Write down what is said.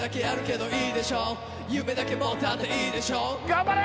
頑張れ！